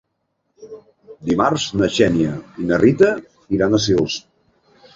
Dimarts na Xènia i na Rita iran a Sils.